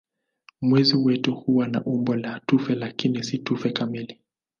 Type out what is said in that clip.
Mwezi wetu huwa na umbo la tufe lakini si tufe kamili.